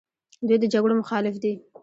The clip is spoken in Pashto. دوی د جګړو مخالف دي.